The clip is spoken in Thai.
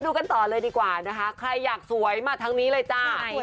กันต่อเลยดีกว่านะคะใครอยากสวยมาทั้งนี้เลยจ้า